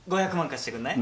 貸してくんない？